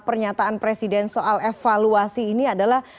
pernyataan presiden soal evaluasi ini adalah